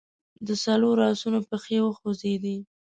د څلورو آسونو پښې وخوځېدې.